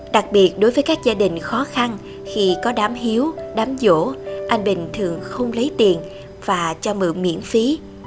đặc biệt đối với các gia đình khó khăn khi có đám hiếu đám vỗ anh bình thường không lấy tiền và cho mượn miễn phí